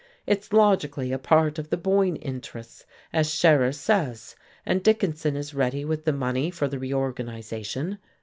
It's logically a part of the Boyne interests, as Scherer says, and Dickinson is ready with the money for the reorganization.